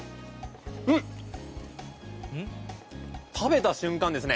食べた瞬間ですね。